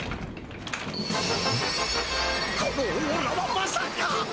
このオーラはまさか！？